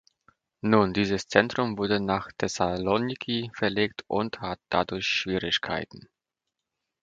Nun, dieses Zentrum wurde nach Thessaloniki verlegt und hat dadurch Schwierigkeiten.